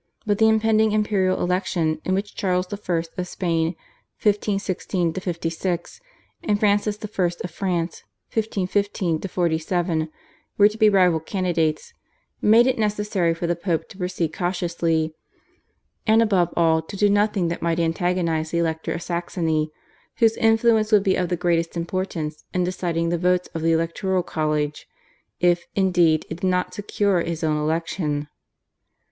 But the impending imperial election, in which Charles I. of Spain (1516 56) and Francis I. of France (1515 47) were to be rival candidates, made it necessary for the Pope to proceed cautiously, and above all, to do nothing that might antagonise the Elector of Saxony, whose influence would be of the greatest importance in deciding the votes of the electoral college, if, indeed, it did not secure his own election.